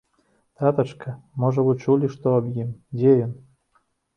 Татачка, можа, вы чулі што аб ім, дзе ён?